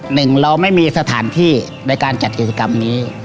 หนึ่งเราไม่มีสถานที่ในการจัดกิจกรรมนี้